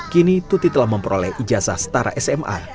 kini tuti telah memperoleh ijazah setara sma